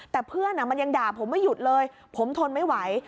แต่เพื่อนมันยังด่าผมไม่หยุดเลยผมทนไม่ไหว